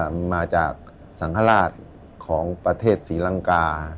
มันมาจากสังฆราชของประเทศศรีลังกา